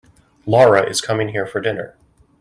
Lara is coming here for dinner.